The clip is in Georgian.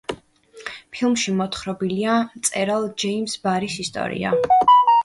ფილმში მოთხრობილია მწერალ ჯეიმზ ბარის ისტორია.